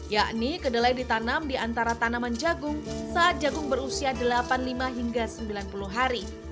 yakni kedelai ditanam di antara tanaman jagung saat jagung berusia delapan puluh lima hingga sembilan puluh hari